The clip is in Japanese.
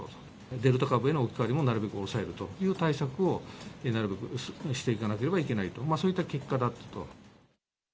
デルタ株への置き換えもなるべく抑えるという対策を、なるべくしていかなければいけないと、そういった結果だったと。